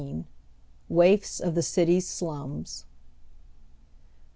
WAIFS OF THE CITY'S SLUMS.